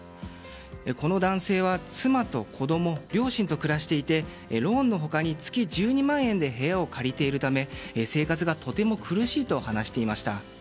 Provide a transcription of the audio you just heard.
この男性は妻と子供両親と暮らしていてローンの他に月１２万円で部屋を借りているため生活がとても苦しいと話していました。